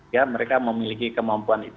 ya mereka memiliki kemampuan